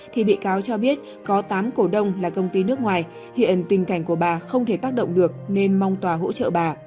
thì bị cáo cho biết có tám cổ đông là công ty nước ngoài hiện tình cảnh của bà không thể tác động được nên mong tòa hỗ trợ bà